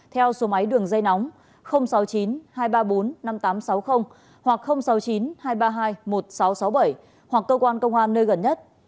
theo số máy đường dây nóng sáu mươi chín hai trăm ba mươi bốn năm nghìn tám trăm sáu mươi hoặc sáu mươi chín hai trăm ba mươi hai một nghìn sáu trăm sáu mươi bảy hoặc cơ quan công an nơi gần nhất